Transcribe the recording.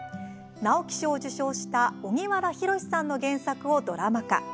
直木賞を受賞した荻原浩さんの原作をドラマ化。